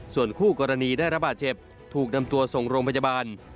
ส่วนคู่กรณีได้ระบาดเจ็บถูกนำตัวส่งโรงพยาบาล